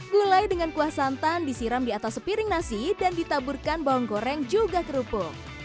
gulai dengan kuah santan disiram di atas sepiring nasi dan ditaburkan bawang goreng juga kerupuk